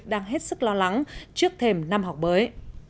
đang hết sức lo lắng trước thềm năm học mới